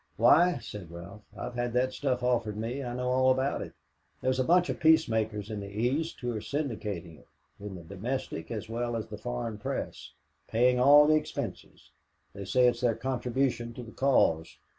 "Why," said Ralph, "I've had that stuff offered me. I know all about it. There's a bunch of peacemakers in the East who are syndicating it, in the domestic as well as the foreign press, paying all the expenses. They say it's their contribution to the cause.